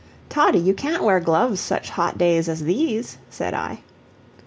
"Toddie, you can't wear gloves such hot days as these," said I.